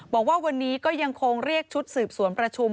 บอกว่าวันนี้ก็ยังคงเรียกชุดสืบสวนประชุม